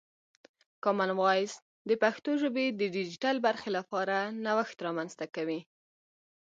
کامن وایس د پښتو ژبې د ډیجیټل برخې لپاره نوښت رامنځته کوي.